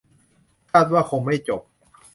คาดว่าคงไม่จบ -'